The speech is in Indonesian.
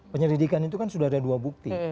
penyelidikan itu kan sudah ada dua bukti